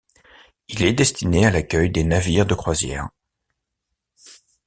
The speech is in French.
Il est destiné à l'accueil des navires de croisière.